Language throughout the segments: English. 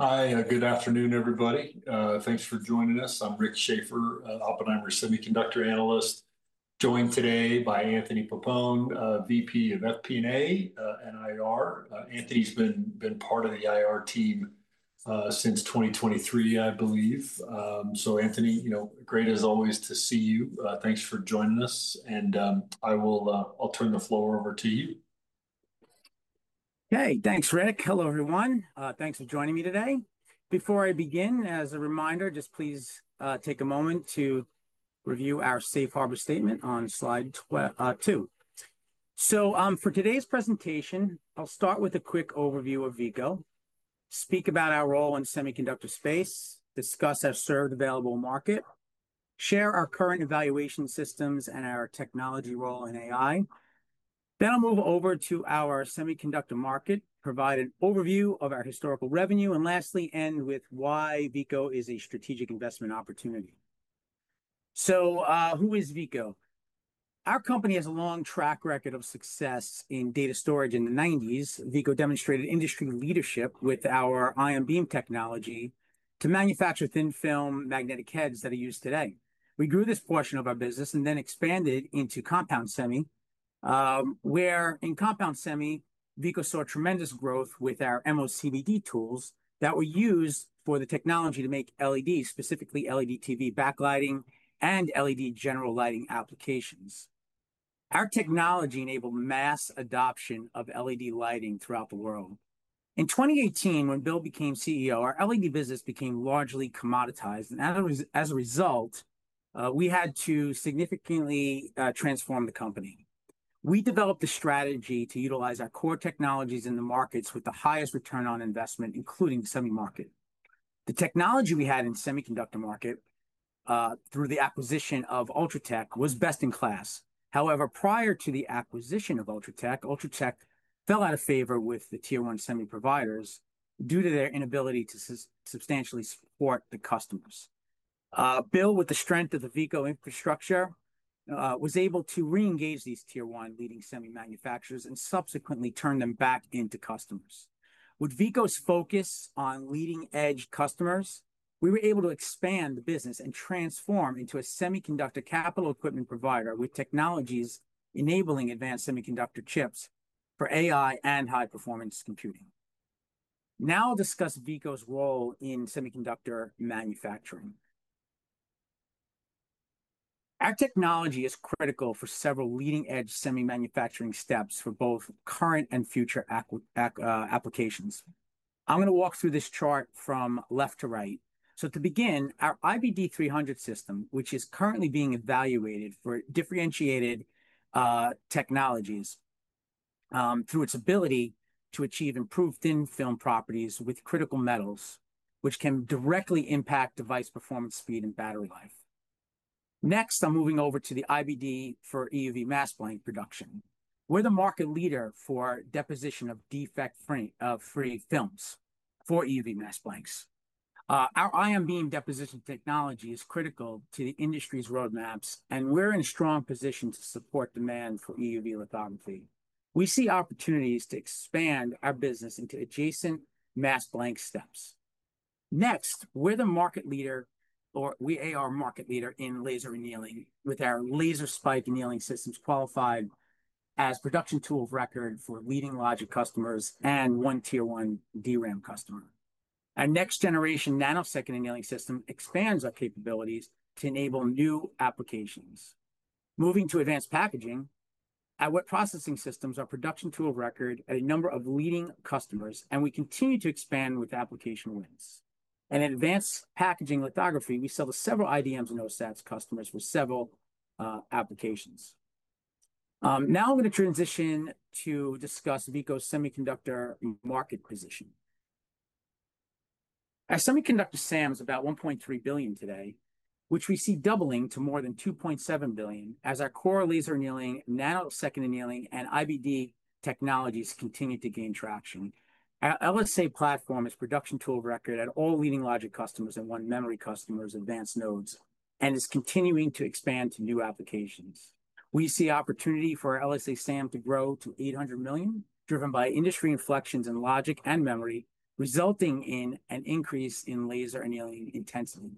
Hi, good afternoon, everybody. Thanks for joining us. I'm Rick Schaefer, Oppenheimer Semiconductor Analyst, joined today by Anthony Pappone, VP of FP&A and IR. Anthony's been part of the IR team since 2023, I believe. Anthony, great as always to see you. Thanks for joining us. I will turn the floor over to you. Okay, thanks, Rick. Hello, everyone. Thanks for joining me today. Before I begin, as a reminder, just please take a moment to review our safe harbor statement on slide two. For today's presentation, I'll start with a quick overview of Veeco, speak about our role in the semiconductor space, discuss our served available market, share our current evaluation systems and our technology role in AI. I'll move over to our semiconductor market, provide an overview of our historical revenue, and lastly, end with why Veeco is a strategic investment opportunity. Who is Veeco? Our company has a long track record of success in data storage in the 1990s. Veeco demonstrated industry leadership with our ion beam technology to manufacture thin film magnetic heads that are used today. We grew this portion of our business and then expanded into compound semi, where in compound semi, Veeco saw tremendous growth with our MOCVD tools that were used for the technology to make LEDs, specifically LED TV backlighting and LED general lighting applications. Our technology enabled mass adoption of LED lighting throughout the world. In 2018, when Bill became CEO, our LED business became largely commoditized, and as a result, we had to significantly transform the company. We developed a strategy to utilize our core technologies in the markets with the highest return on investment, including the semi market. The technology we had in the semiconductor market, through the acquisition of UltraTech, was best in class. However, prior to the acquisition of UltraTech, UltraTech fell out of favor with the tier one semi providers due to their inability to substantially support the customers. Bill, with the strength of the Veeco infrastructure, was able to re-engage these tier one leading semi manufacturers and subsequently turn them back into customers. With Veeco's focus on leading edge customers, we were able to expand the business and transform into a semiconductor capital equipment provider with technologies enabling advanced semiconductor chips for AI and high-performance computing. Now I'll discuss Veeco's role in semiconductor manufacturing. Our technology is critical for several leading edge semi manufacturing steps for both current and future applications. I'm going to walk through this chart from left to right. To begin, our IBD300 system, which is currently being evaluated for differentiated technologies, achieves improved thin film properties with critical metals, which can directly impact device performance, speed, and battery life. Next, I'm moving over to the IBD for EUV mask blank production. We're the market leader for deposition of defect-free films for EUV mask blanks. Our ion beam deposition technology is critical to the industry's roadmaps, and we're in a strong position to support demand for EUV lithography. We see opportunities to expand our business into adjacent mask blank steps. We're a market leader in laser annealing with our laser spike annealing systems qualified as production tool of record for leading logic customers and one tier one DRAM customer. Our next-generation nanosecond annealing system expands our capabilities to enable new applications. Moving to advanced packaging, our processing systems are production tool of record at a number of leading customers, and we continue to expand with application wins. In advanced packaging lithography, we sell to several IDMs and OSATS customers with several applications. Now I'm going to transition to discuss Veeco's semiconductor market position. Our semiconductor SAM is about $1.3 billion today, which we see doubling to more than $2.7 billion as our core laser annealing, nanosecond annealing, and IBD technologies continue to gain traction. Our LSA platform is production tool of record at all leading logic customers and one memory customer's advanced nodes and is continuing to expand to new applications. We see opportunity for our LSA SAM to grow to $800 million, driven by industry inflections in logic and memory, resulting in an increase in laser annealing intensity.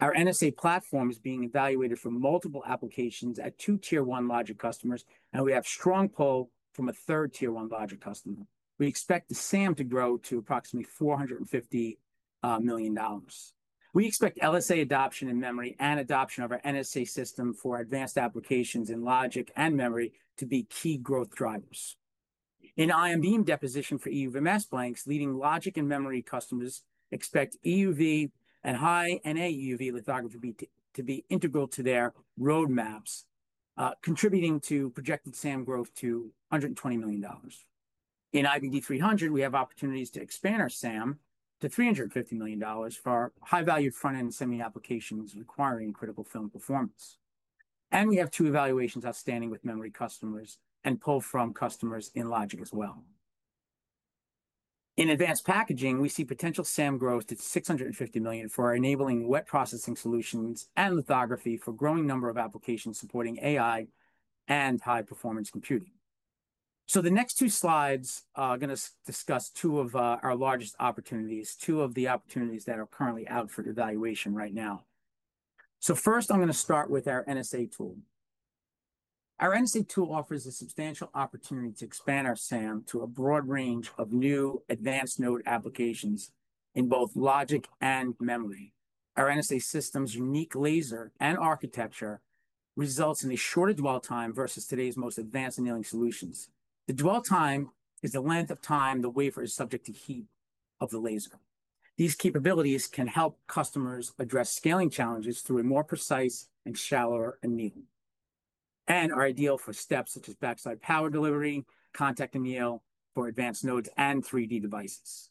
Our NSA platform is being evaluated for multiple applications at two tier one logic customers, and we have a strong pull from a third tier one logic customer. We expect the SAM to grow to approximately $450 million. We expect LSA adoption in memory and adoption of our NSA system for advanced applications in logic and memory to be key growth drivers. In ion beam deposition for EUV mask blanks, leading logic and memory customers expect EUV and high NA EUV lithography to be integral to their roadmaps, contributing to projected SAM growth to $120 million. In IBD300, we have opportunities to expand our SAM to $350 million for our high-value front-end semi applications requiring critical film performance. We have two evaluations outstanding with memory customers and pull from customers in logic as well. In advanced packaging, we see potential SAM growth to $650 million for our enabling wet processing solutions and lithography for a growing number of applications supporting AI and high-performance computing. The next two slides are going to discuss two of our largest opportunities, two of the opportunities that are currently out for evaluation right now. First, I'm going to start with our NSA tool. Our NSA tool offers a substantial opportunity to expand our SAM to a broad range of new advanced node applications in both logic and memory. Our NSA system's unique laser and architecture results in a shorter dwell time versus today's most advanced annealing solutions. The dwell time is the length of time the wafer is subject to heat of the laser. These capabilities can help customers address scaling challenges through a more precise and shallower annealing and are ideal for steps such as backside power delivery, contact anneal for advanced nodes, and 3D devices.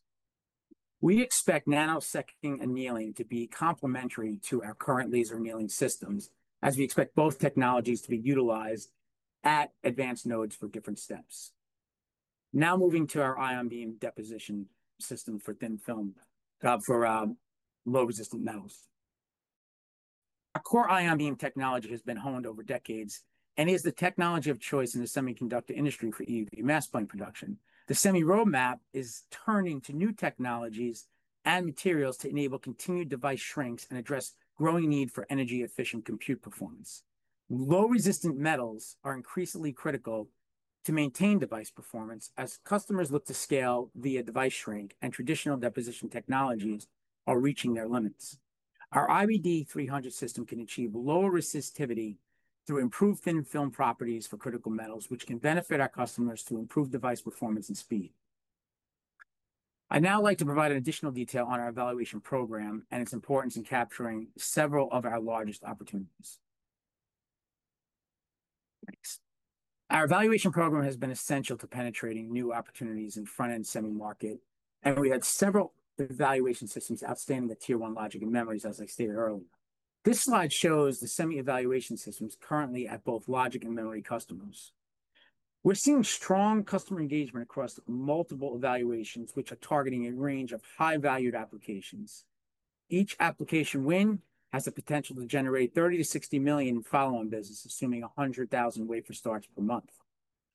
We expect nanosecond annealing to be complementary to our current laser annealing systems, as we expect both technologies to be utilized at advanced nodes for different steps. Now moving to our ion beam deposition system for thin film for low resistant metals. Our core ion beam technology has been honed over decades and is the technology of choice in the semiconductor industry for EUV mask blank production. The semi roadmap is turning to new technologies and materials to enable continued device shrinks and address growing need for energy efficient compute performance. Low resistant metals are increasingly critical to maintain device performance as customers look to scale via device shrink and traditional deposition technologies are reaching their limits. Our IBD300 system can achieve lower resistivity through improved thin film properties for critical metals, which can benefit our customers through improved device performance and speed. I'd now like to provide additional detail on our evaluation program and its importance in capturing several of our largest opportunities. Our evaluation program has been essential to penetrating new opportunities in the front-end semi market, and we had several evaluation systems outstanding at tier one logic and memories, as I stated earlier. This slide shows the semi evaluation systems currently at both logic and memory customers. We're seeing strong customer engagement across multiple evaluations, which are targeting a range of high-valued applications. Each application win has the potential to generate $30 million-$60 million follow-on business, assuming 100,000 wafer starts per month.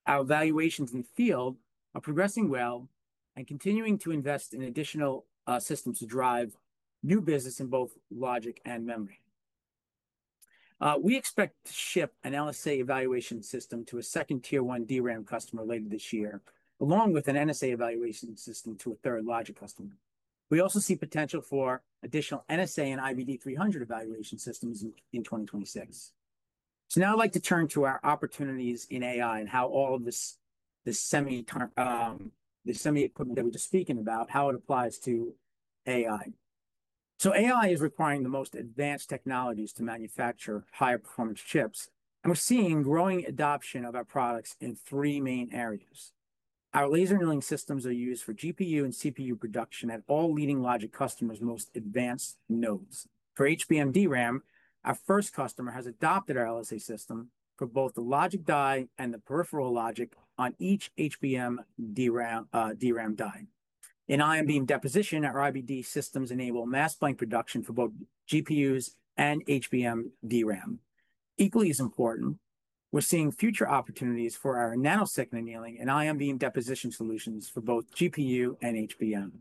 Our evaluations in the field are progressing well and continuing to invest in additional systems to drive new business in both logic and memory. We expect to ship an LSA evaluation system to a second tier one DRAM customer later this year, along with an NSA evaluation system to a third logic customer. We also see potential for additional NSA and IBD300 evaluation systems in 2026. Now I'd like to turn to our opportunities in AI and how all of this, this semi equipment that we're just speaking about, how it applies to AI. AI is requiring the most advanced technologies to manufacture higher performance chips, and we're seeing growing adoption of our products in three main areas. Our laser annealing systems are used for GPU and CPU production at all leading logic customers' most advanced nodes. For HBM DRAM, our first customer has adopted our LSA system for both the logic die and the peripheral logic on each HBM DRAM die. In ion beam deposition, our IBD systems enable mask blank production for both GPUs and HBM DRAM. Equally as important, we're seeing future opportunities for our nanosecond annealing and ion beam deposition solutions for both GPU and HBM.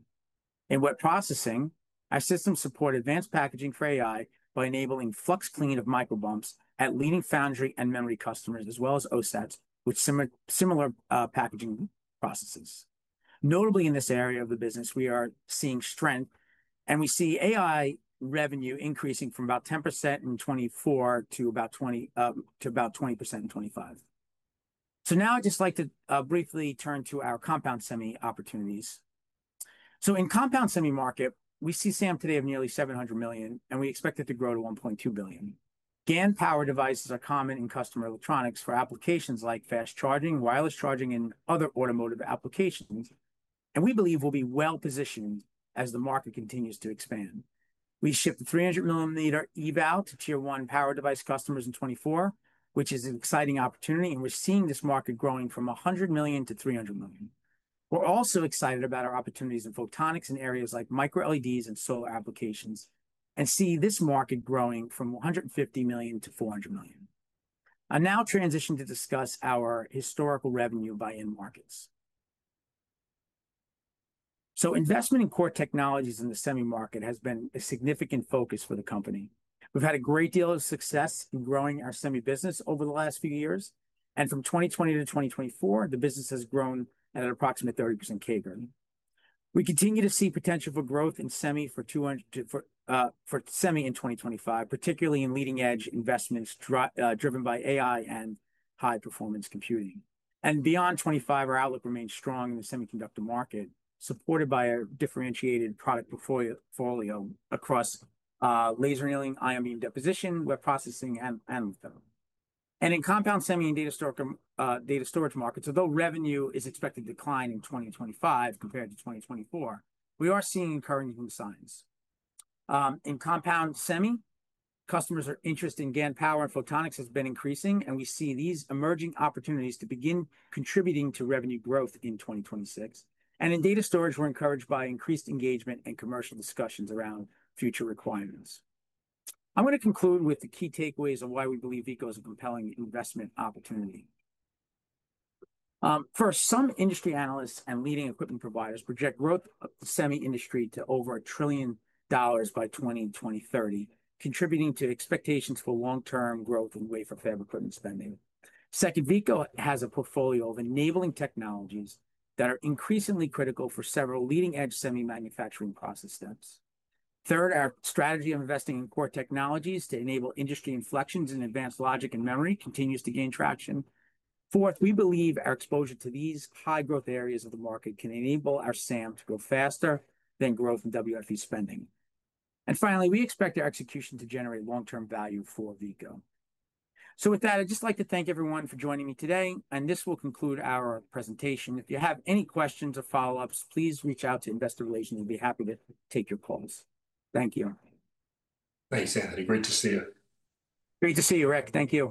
In wet processing, our systems support advanced packaging for AI by enabling flux cleaning of microbumps at leading foundry and memory customers, as well as OSATs with similar packaging processes. Notably in this area of the business, we are seeing strength, and we see AI revenue increasing from about 10% in 2024 to about 20% in 2025. Now I'd just like to briefly turn to our compound semi opportunities. In the compound semiconductor market, we see SAM today of nearly $700 million, and we expect it to grow to $1.2 billion. GaN power devices are common in customer electronics for applications like fast charging, wireless charging, and other automotive applications, and we believe we'll be well positioned as the market continues to expand. We shipped the 300 mm eval to tier one power device customers in 2024, which is an exciting opportunity, and we're seeing this market growing from $100 million to $300 million. We're also excited about our opportunities in photonics in areas like microLEDs and solar applications, and see this market growing from $150 million to $400 million. I'll now transition to discuss our historical revenue by end markets. Investment in core technologies in the semi market has been a significant focus for the company. We've had a great deal of success in growing our semi business over the last few years, and from 2020 to 2024, the business has grown at an approximate 30% CAGR. We continue to see potential for growth in semi in 2025, particularly in leading edge investments driven by AI and high-performance computing. Beyond 2025, our outlook remains strong in the semiconductor market, supported by a differentiated product portfolio across laser annealing, ion beam deposition, wet processing, and thin film. In compound semiconductor and data storage markets, although revenue is expected to decline in 2025 compared to 2024, we are seeing encouraging signs. In compound semi, customers' interest in GaN power and photonics has been increasing, and we see these emerging opportunities to begin contributing to revenue growth in 2026. In data storage, we're encouraged by increased engagement and commercial discussions around future requirements. I'm going to conclude with the key takeaways of why we believe Veeco is a compelling investment opportunity. First, some industry analysts and leading equipment providers project growth in the semi industry to over $1 trillion by 2030, contributing to expectations for long-term growth in wafer fab equipment spending. Second, Veeco has a portfolio of enabling technologies that are increasingly critical for several leading edge semi manufacturing process steps. Third, our strategy of investing in core technologies to enable industry inflections in advanced logic and memory continues to gain traction. Fourth, we believe our exposure to these high growth areas of the market can enable our SAM to grow faster than growth in WFE spending. Finally, we expect our execution to generate long-term value for Veeco. I'd just like to thank everyone for joining me today, and this will conclude our presentation. If you have any questions or follow-ups, please reach out to Investor Relations. We'll be happy to take your calls. Thank you. Thanks, Anthony. Great to see you. Great to see you, Rick. Thank you.